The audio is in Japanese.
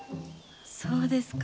そうですか。